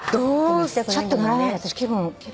ちょっと乗らない私気分。